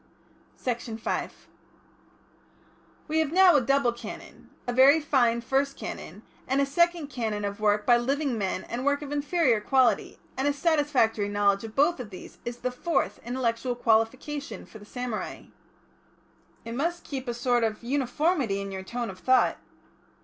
Section 5 "We have now a double Canon, a very fine First Canon, and a Second Canon of work by living men and work of inferior quality, and a satisfactory knowledge of both of these is the fourth intellectual qualification for the samurai." "It must keep a sort of uniformity in your tone of thought."